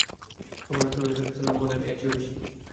তখন রাসূলুল্লাহ সাল্লাল্লাহু আলাইহি ওয়াসাল্লাম বললেন, এর চেয়েও বেশী।